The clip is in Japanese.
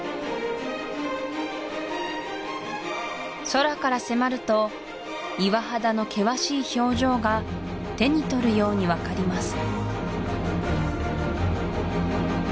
空から迫ると岩肌の険しい表情が手に取るように分かります